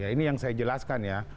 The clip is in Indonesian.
ini yang saya jelaskan ya